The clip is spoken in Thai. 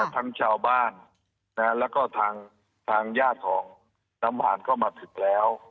ทางชาวบ้านแล้วก็ทางญาติของสำหรับเข้ามาถึงแล้ว